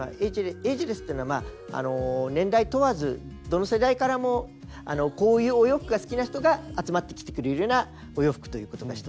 エイジレスっていうのは年代問わずどの世代からもこういうお洋服が好きな人が集まってきてくれるようなお洋服ということが１つ。